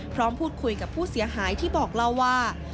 พร้อมพูดคุยกับผู้เสียหายที่บอกเล่าว่า